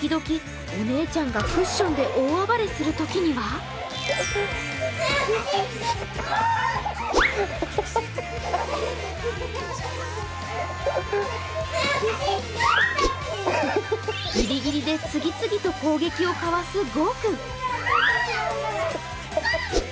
時々、お姉ちゃんがクッションで大暴れするときにはぎりぎりで次々と攻撃をかわすごう君。